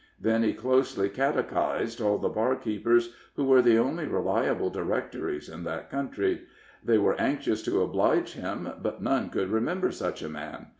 Then he closely catechised all the barkeepers, who were the only reliable directories in that country; they were anxious to oblige him, but none could remember such a man.